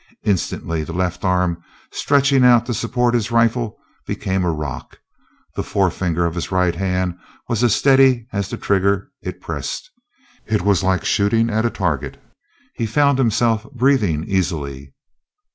Instantly the left arm, stretching out to support his rifle, became a rock; the forefinger of his right hand was as steady as the trigger it pressed. It was like shooting at a target. He found himself breathing easily.